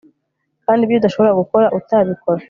Kandi ibyo udashobora gukora utabikora